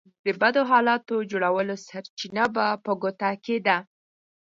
د بدو حالاتو جوړولو سرچينه به په ګوته کېده.